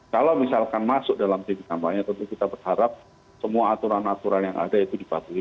kalau misalkan masuk dalam titik kampanye tentu kita berharap semua aturan aturan yang ada itu dipatuhi